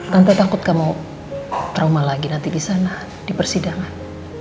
tante takut kamu trauma lagi nanti disana di persidangan